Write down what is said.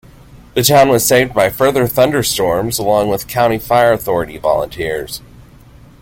The town was saved by further thunderstorms, along with Country Fire Authority volunteers.